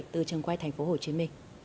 từ trần quay tp hcm